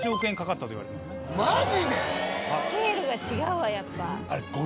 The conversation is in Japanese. マジで⁉スケールが違うわやっぱ。